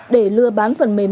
năm để lừa bán phần mềm